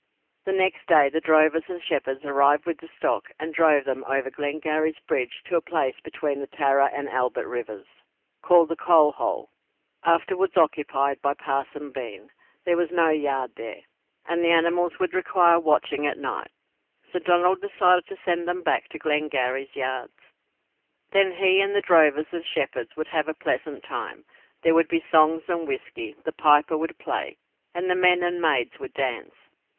The next day the drovers and shepherds arrived with the stock, and drove them over Glengarry's bridge to a place between the Tarra and Albert rivers, called the Coal Hole, afterwards occupied by Parson Bean. there was no yard there, and the animals would require watching at night; so Donald decided to send them back to Glengarry's yards. Then he and the drovers and shepherds would have a pleasant time; there would be songs and whisky, the piper would play, and the men and maids would dance.